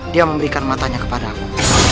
dia memberikan matanya kepada aku